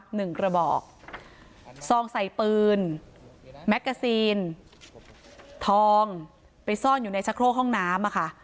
กระบอกซองใส่ปืนแมกกาซีนทองไปซ่อนอยู่ในชะโครกห้องน้ำอ่ะค่ะ